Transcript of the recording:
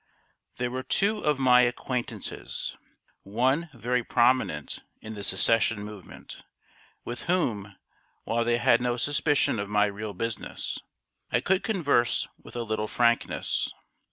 ] There were two of my acquaintances (one very prominent in the Secession movement) with whom, while they had no suspicion of my real business, I could converse with a little frankness.